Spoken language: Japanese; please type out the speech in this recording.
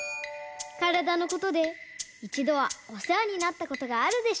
からだのことでいちどはおせわになったことがあるでしょう。